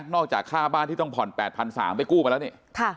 นอกจากค่าบ้านที่ต้องผ่อนแปดพันสามไปกู้มาแล้วนี่ค่ะ